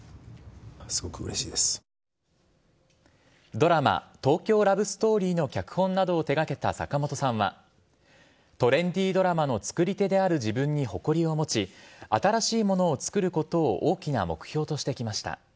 ドラマ「東京ラブストーリー」の脚本などを手掛けた坂元さんはトレンディドラマの作り手である自分に誇りを持ち新しいものを作ることを大きな目標としてきました。